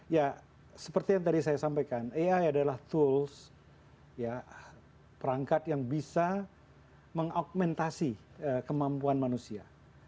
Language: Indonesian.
ya seperti yang tadi saya sampaikan ai adalah tools perangkat yang bisa mengaugmentasi kemampuan manusia